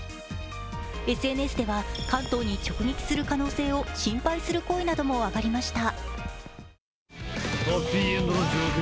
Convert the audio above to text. ＳＮＳでは関東に直撃する可能性を心配する声なども上がりました。